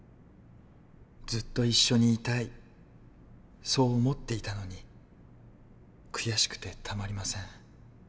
ずっと一緒にいたいそう思っていたのに悔しくてたまりません。